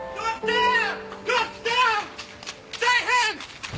大変！